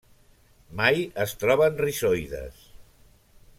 Mai es troben rizoides.